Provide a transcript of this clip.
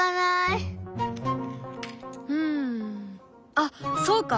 あっそうか！